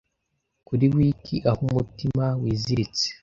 kuri wick aho umutima wiziritse